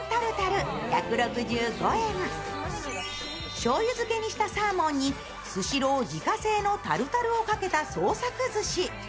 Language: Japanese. しょうゆ漬けにしたサーモンにスシローのタルタルをかけた創作ずし。